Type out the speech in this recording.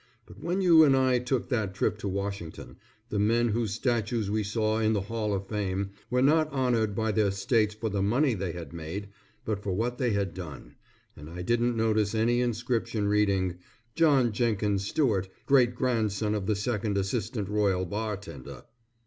But when you and I took that trip to Washington, the men whose statues we saw in the Hall of Fame, were not honored by their states for the money they had made, but for what they had done, and I didn't notice any inscription reading, "John Jenkins Stuart, Great grandson of the Second Assistant Royal Bartender."